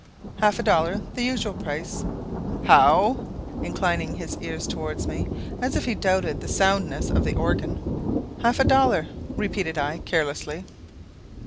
"Half a dollar the usual price." "How?" inclining his ear towards me, as if he doubted the soundness of the organ. "Half a dollar?" repeated I, carelessly.